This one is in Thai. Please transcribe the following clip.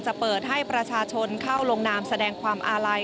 เปิดให้ประชาชนเข้าลงนามแสดงความอาลัย